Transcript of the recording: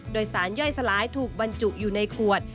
โดยสารย่อยสลายถูกบรรจุอยู่ในขวด